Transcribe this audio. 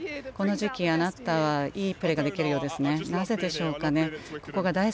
この時期、あなたはいいプレーができるようですがなぜですか。